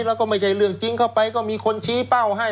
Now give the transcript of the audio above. แล้วก็ไม่ใช่เรื่องจริงเข้าไปก็มีคนชี้เป้าให้